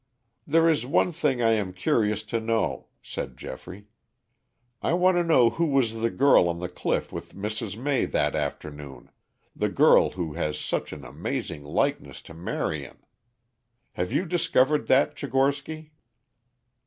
"There is one thing I am curious to know," said Geoffrey. "I want to know who was the girl on the cliff with Mrs. May that afternoon, the girl who has such an amazing likeness to Marion. Have you discovered that, Tchigorsky?"